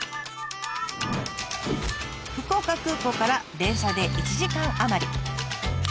福岡空港から電車で１時間余り。